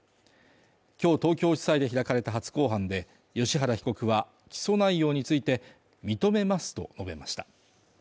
今日東京地裁で開かれた初公判で芳原被告は起訴内容について認めますと述べました。